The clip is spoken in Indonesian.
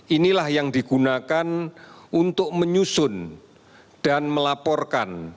inilah yang digunakan untuk menyusun dan melaporkan